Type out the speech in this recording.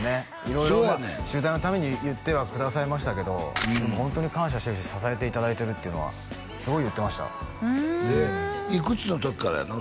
色々取材のために言ってはくださいましたけどホントに感謝してるし支えていただいてるっていうのはすごい言ってましたふんいくつの時からやの？